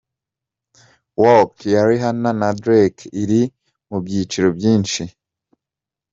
Work ya Rihanna na Drake iri mu byiciro byinshi.